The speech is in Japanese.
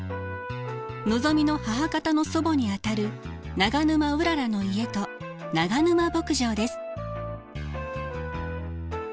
のぞみの母方の祖母にあたる長沼うららの家と長沼牧場です。